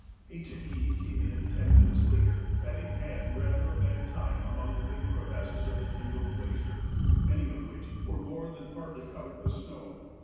H. and E. came in ten minutes later, having had rather a bad time among the big crevasses of the Tyndall Glacier, many of which were more than partly covered with snow.